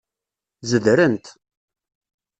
Zedrent.